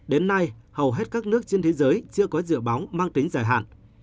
đến nay hầu hết các nước trên thế giới chưa có dự báo mang tính dài hạn